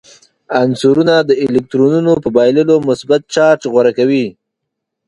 عنصرونه د الکترونونو په بایللو مثبت چارج غوره کوي.